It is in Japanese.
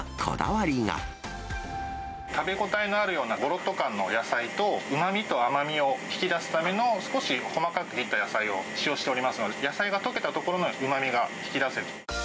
食べ応えのあるようなごろっと感の野菜と、うまみと甘みを引き出すための少し細かく切った野菜を使用しておりますので、野菜が溶けたところのうまみが引き出せる。